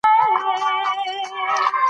هم دې سمينار ته ور بلل شوى و.